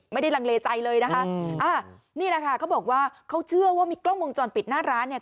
ลังเลใจเลยนะคะนี่แหละค่ะเขาบอกว่าเขาเชื่อว่ามีกล้องวงจรปิดหน้าร้านเนี่ย